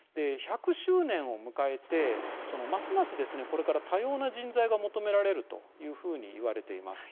１００周年を迎えてますます、これから多様な人材が求められるというふうにいわれています。